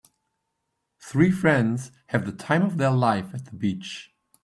Three friends have the time of their life at the beach.